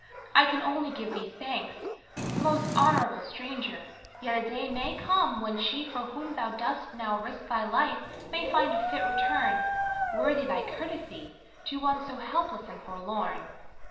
I can only give thee thanks, most noble stranger; yet a day may come when she for whom thou dost now risk thy life may find a fit return, worthy thy courtesy to one so helpless and forlorn.